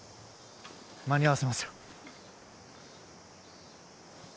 間に合わせますよ